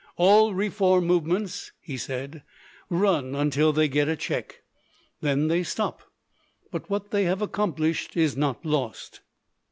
"All reform movements," he said, "run until they get a check. Then they stop. But what they have accomplished is not lost."